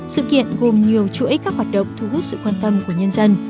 sự kiện gồm nhiều chuỗi các hoạt động thu hút sự quan tâm của nhân dân